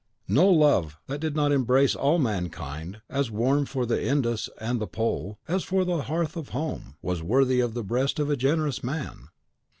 No love that did not embrace all mankind, as warm for Indus and the Pole as for the hearth of home, was worthy the breast of a generous man.